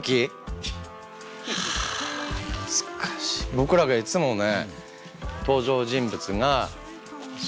僕らがいつもね。